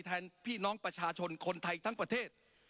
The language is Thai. แทนพี่น้องประชาชนคนไทยทั้งประเทศ